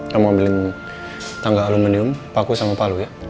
kamu ambil tangga aluminium paku sama palu ya